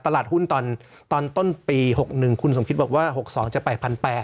ตลาดหุ้นตอนต้นปี๖๑คุณสมคิตบอกว่า๖๒จะไป๑๘๐๐